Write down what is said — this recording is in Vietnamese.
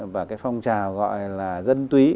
và cái phong trào gọi là dân túy